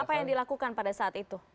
apa yang dilakukan pada saat itu